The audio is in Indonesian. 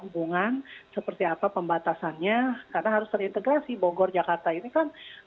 karena harus terintegrasi bogor jakarta ini kan